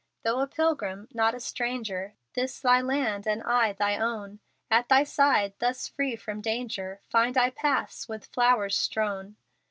Though a pilgrim, not a stranger; This Thy land, and I Thine own; At Thy side, thus free from danger, Find I paths with flowers strown.